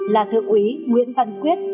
là thượng úy nguyễn văn quyết